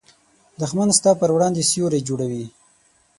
دښمن ستا پر وړاندې سیوری جوړوي